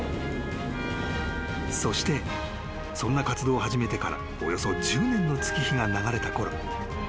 ［そしてそんな活動を始めてからおよそ１０年の月日が流れたころ］